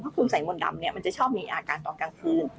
คุณใส่มนต์ดำเนี่ยมันจะชอบมีอาการตอนกลางคืน